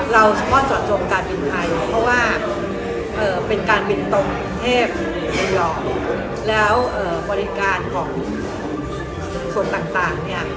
เราก็จอดจมการบินไทยเพราะว่าเป็นการบินตรงเทพไทยองค์แล้วบริการของส่วนต่างเนี่ย